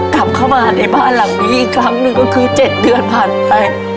กลับเข้ามาในบ้านหลังนี้อีกครั้งหนึ่งก็คือ๗เดือนผ่านไป